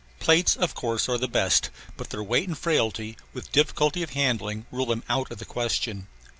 Plates, of course, are the best, but their weight and frailty, with difficulty of handling, rule them out of the question.